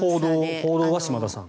報道は島田さん。